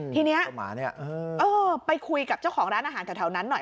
ทีนี้ไปคุยกับเจ้าของร้านอาหารแถวนั้นหน่อย